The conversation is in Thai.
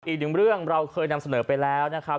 อีกหนึ่งเรื่องเราเคยนำเสนอไปแล้วนะครับ